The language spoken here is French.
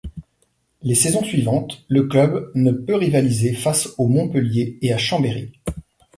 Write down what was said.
Les saisons suivantes, le club ne peut rivaliser face au Montpellier et à Chambéry.